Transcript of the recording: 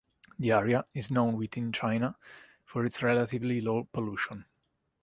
The area is known within China for its relatively low pollution.